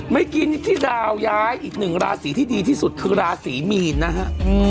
เมื่อกี้ที่ดาวย้ายอีกหนึ่งราศีที่ดีที่สุดคือราศีมีนนะฮะ